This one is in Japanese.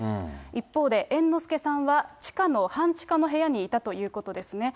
一方で猿之助さんは、地下の半地下の部屋にいたということですね。